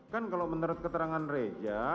kan kalau menurut keterangan reja